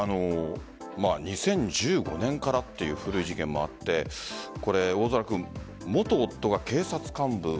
２０１５年からという古い事件もあって大空君、元夫が警察幹部。